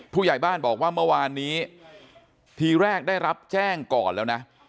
ผู้ใหญ่บ้านบอกว่าเมื่อวานนี้ทีแรกได้รับแจ้งก่อนแล้วนะ